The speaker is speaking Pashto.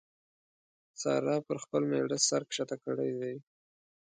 سارا پر خپل مېړه سر کښته کړی دی.